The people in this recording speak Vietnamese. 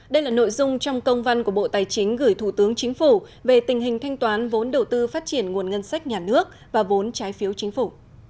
đây là nội dung trong công văn của bộ tài chính gửi thủ tướng chính phủ về tình hình thanh toán vốn đầu tư phát triển nguồn ngân sách nhà nước và vốn trái phiếu chính phủ